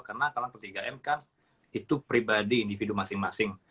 karena kalau tiga m kan itu pribadi individu masing masing